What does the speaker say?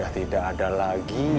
tidak ada lagi